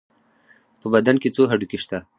په بدن کې څو هډوکي شته؟